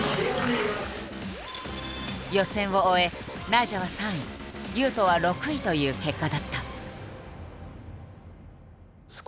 予選を終えナイジャは３位雄斗は６位という結果だった。